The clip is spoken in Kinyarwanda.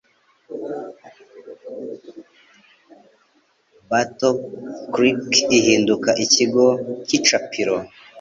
Battle Creek ihinduka ikigo cy'icapiro